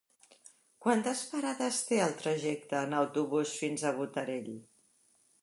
Quantes parades té el trajecte en autobús fins a Botarell?